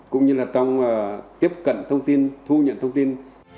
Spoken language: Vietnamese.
cũng như là trong tiếp cận thông tin thu nhận thông tin